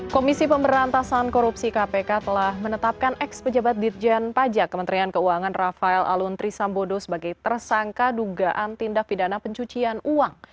komisi pemberantasan korupsi kpk telah menetapkan ex pejabat dirjen pajak kementerian keuangan rafael aluntri sambodo sebagai tersangka dugaan tindak pidana pencucian uang